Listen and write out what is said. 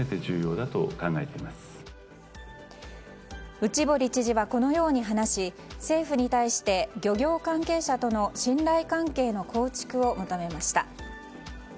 内堀知事はこのように話し政府に対し漁業関係者との信頼関係の構築を求めました。